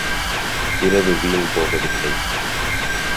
இரவு வீண் போகவில்லை!